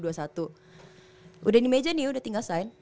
udah di meja nih udah tinggal sign